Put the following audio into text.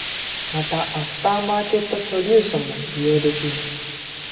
また、アフターマーケットソリューションも利用できる。